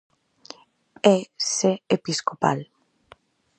É sé episcopal.